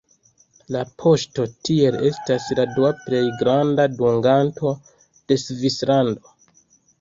La poŝto tiel estas la dua plej granda dunganto de Svislando.